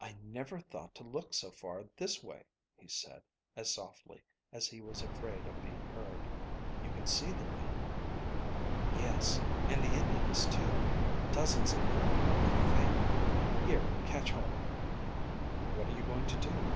"I never thought to look so far this way," he said, as softly as if he was afraid of being heard. "You can see them, then?" "Yes, and the Indians too; dozens of them, I think. Here, catch hold." "What are you going to do?"